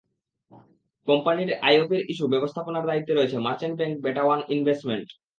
কোম্পানিটির আইপিওর ইস্যু ব্যবস্থাপনার দায়িত্বে রয়েছে merchant bank beta one investments.